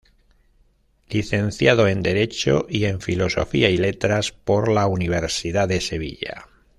Licenciado en Derecho y en Filosofía y Letras por la Universidad de Sevilla.